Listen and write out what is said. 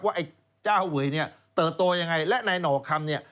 ไอ้เจ้าเวยเนี่ยเติบโตยังไงและนายหน่อคำเนี่ย